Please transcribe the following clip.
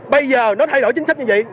bây giờ nó thay đổi chính sách như vậy